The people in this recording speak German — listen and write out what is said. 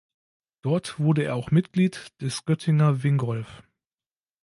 Dort wurde er auch Mitglied des Göttinger Wingolf.